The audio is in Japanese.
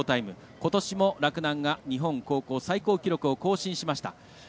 ことしも洛南が日本高校最高記録更新しました。